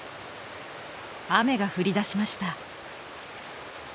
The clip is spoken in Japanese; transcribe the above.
雨が降り出しました。